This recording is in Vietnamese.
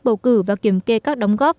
bầu cử và kiểm kê các đóng góp